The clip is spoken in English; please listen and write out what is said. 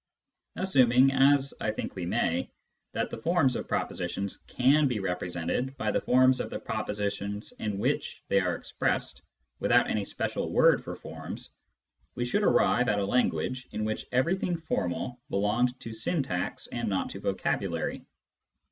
Assuming — as I think we may — that the forms of propositions can be represented by the forms of the propositions in which they are expressed without any special word for forms, we should arrive at a language in which everything formal belonged to syntax and not to vocabulary.